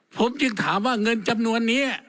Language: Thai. ผมจึงถามว่าเงินจำนวนนี้